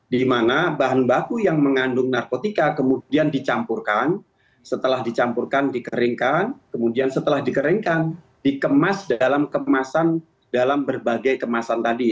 di mana bahan baku yang mengandung narkotika kemudian dicampurkan setelah dicampurkan dikeringkan kemudian setelah dikeringkan dikemas dalam kemasan dalam berbagai kemasan tadi